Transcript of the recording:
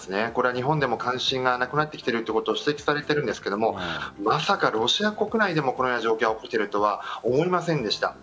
日本でも関心がなくなってきているということが指摘されているんですがまさかロシア国内でもこのような状況が起きているとは思いませんでした。